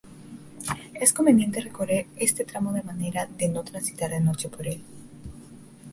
Es conveniente recorrer este tramo de manera de no transitar de noche por el.